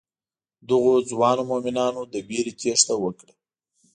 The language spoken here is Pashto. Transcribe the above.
دغو ځوانو مومنانو له وېرې تېښته وکړه.